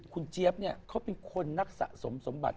คุณเจี๊ยบเค้าเป็นคนนักสะสมบัตร